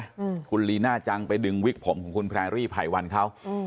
อืมคุณลีน่าจังไปดึงวิกผมของคุณแพรรี่ไผ่วันเขาอืม